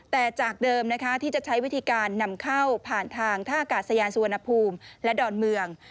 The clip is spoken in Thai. แต่จากเดิมนะคะที่จะใช้วิธีการนำเข้าผ่านทางท่ากาศยานสุวรรณภูมิและดอนเมือง